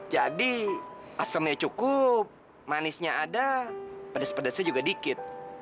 jadi asemnya cukup manisnya ada pedes pedesnya juga dikit